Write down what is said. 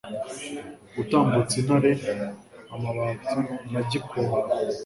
gutambutsa intare, amabati, na gikona